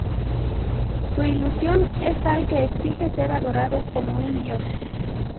Su ilusión es tal que exige ser adorado como un dios.